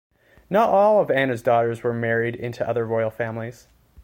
Not all of Anna's daughters were married into other royal families.